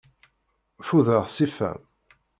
Ffudeɣ ṣṣifa-m.